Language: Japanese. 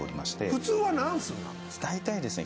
普通は何寸なんですか？